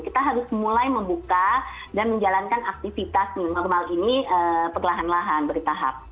kita harus mulai membuka dan menjalankan aktivitas new normal ini perlahan lahan bertahap